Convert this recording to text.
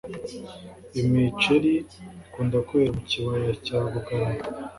Imiceri ikunda kwera mucyibaya cya bugarama